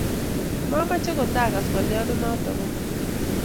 Mameche kutaagas ng'olyonde noto kukeny.